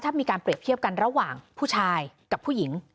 ถ้ามีการเปรียบเทียบกันระหว่างผู้ชายกับผู้หญิง